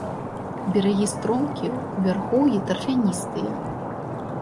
Берагі стромкія, у вярхоўі тарфяністыя.